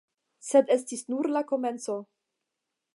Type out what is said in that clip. Sed estis nur komenco.